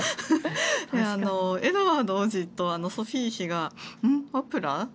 エドワード王子とソフィー妃がオプラ？